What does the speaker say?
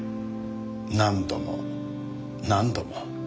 何度も何度も。